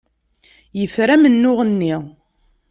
Yefra amennuɣ-nni.